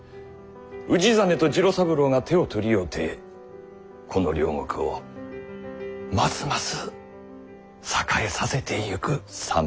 氏真と次郎三郎が手を取り合うてこの領国をますます栄えさせてゆく様がなあ。